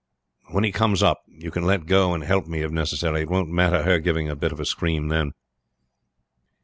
When he comes up you can let go and help me if necessary; it won't matter her giving a bit of a scream then."